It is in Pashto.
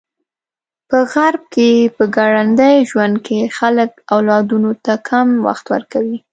په غرب کې په ګړندي ژوند کې خلک اولادونو ته کم وخت ورکوي.